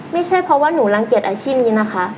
ไม่ใช่เพราะว่าหนูรังเกียจอาชีพนี้นะคะ